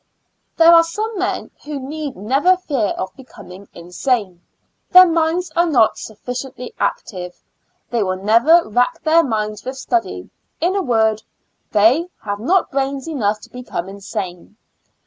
There are some men who need never fear of becoming insane — their minds are not sufficiently active — they will never rack their minds with study — in a word, they have not brains enough to become insane.